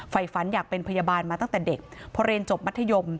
ไฟฝันอยากเป็นพยาบาลมาตั้งแต่เด็กพอเรียนจบมัธยม